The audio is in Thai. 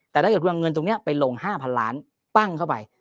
แต่ถ้าเกิดคุณเอาเงินตรงนี้ไปลง๕๐๐ล้านปั้งเข้าไป